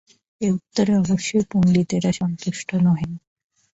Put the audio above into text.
এ উত্তরে অবশ্যই পণ্ডিতেরা সন্তুষ্ট নহেন।